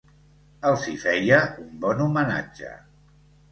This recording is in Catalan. Els hi feia un bon homenatge.